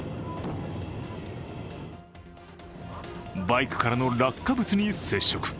バイクからの落下物に接触。